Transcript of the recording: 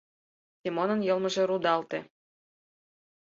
— Семонын йылмыже рудалте.